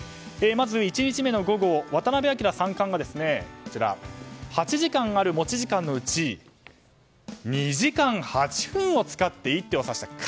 まず１日目の午後、渡辺明三冠が８時間ある持ち時間のうち２時間８分を使って一手をさした。